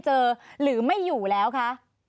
หรือไม่อยู่แล้วคะ